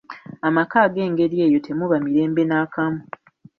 Amaka ag'engeri eyo temuba mirembe nakamu.